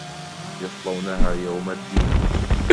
يصلونها يوم الدين